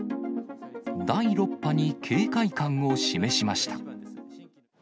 第６波に警戒感を示しました。